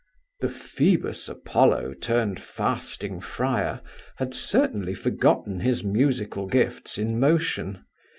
The "Phoebus Apollo turned fasting friar" had entirely forgotten his musical gifts in motion.